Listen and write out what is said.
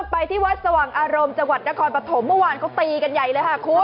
ไปที่วัดสว่างอารมณ์จังหวัดนครปฐมเมื่อวานเขาตีกันใหญ่เลยค่ะคุณ